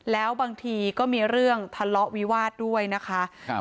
แล้วบางทีก็มีเรื่องทะเลาะวิวาสด้วยนะคะครับ